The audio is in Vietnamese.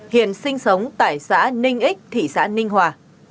hiện sinh sống tại xã ninh ích thị xã ninh hòa